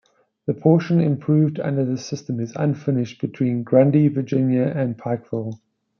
The portion improved under this system is unfinished between Grundy, Virginia, and Pikeville.